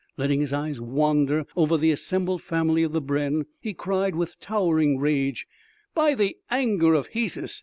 Letting his eyes wander over the assembled family of the brenn, he cried with towering rage: "By the anger of Hesus!